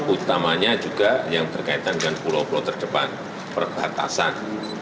utamanya juga yang berkaitan dengan pulau pulau terdepan perbatasan